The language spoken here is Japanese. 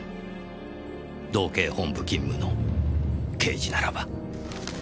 道警本部勤務の刑事ならば。